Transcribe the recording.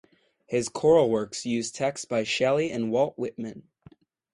His choral works used texts by Shelley and Walt Whitman.